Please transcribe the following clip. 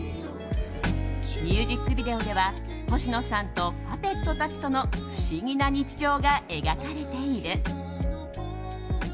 ミュージックビデオでは星野さんとパペットたちとの不思議な日常が描かれている。